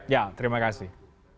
ya terima kasih